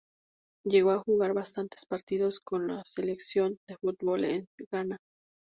Llegó a jugar bastantes partidos con la selección de fútbol de Ghana.